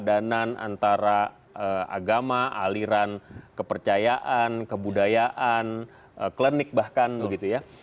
adanan antara agama aliran kepercayaan kebudayaan klinik bahkan begitu ya